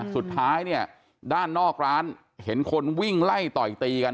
สุดท้ายเนี่ยด้านนอกร้านเห็นคนวิ่งไล่ต่อยตีกัน